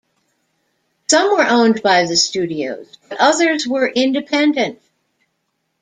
Some were owned by the studios, but others were independent.